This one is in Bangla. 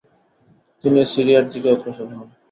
তিনি সিরিয়ার দিকে অগ্রসর হন।